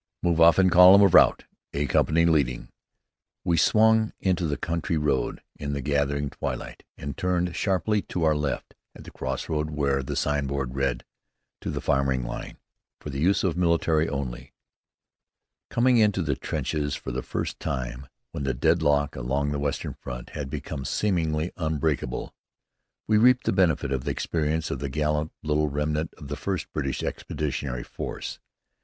"Move off in column of route, 'A' company leading!" We swung into the country road in the gathering twilight, and turned sharply to our left at the crossroad where the signboard read, "To the Firing Line. For the Use of the Military Only." Coming into the trenches for the first time when the deadlock along the western front had become seemingly unbreakable, we reaped the benefit of the experience of the gallant little remnant of the first British Expeditionary Force.